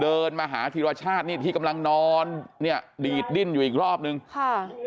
เผิดมาใหม่หาทีละชาติกำลังนอนเนี่ยดีดดิ้นอยู่อีกรอบนึงค่ะ